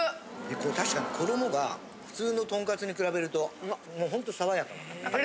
これ確かに衣が普通のトンカツに比べるともう本当爽やかな。